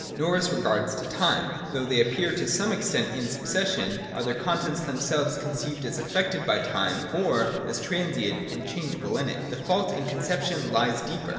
Nor as regards time, though they appear to some extent in succession, are their contents themselves conceived as affected by time, or as transient and changeable in it. The fault in conception lies deeper.